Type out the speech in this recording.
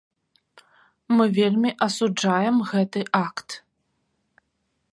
Мы вельмі асуджаем гэты акт.